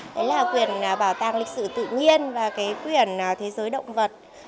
đấy là quyền bảo tàng lịch sử tự nhiên và cái quyền thế giới động vật